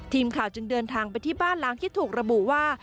ทีมข่าวจึงเดินทางไปที่บ้านล้างที่ถูกระบุว่า